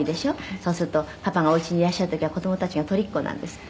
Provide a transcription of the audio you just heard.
「そうするとパパがお家にいらっしゃる時は子供たちが取りっこなんですって？」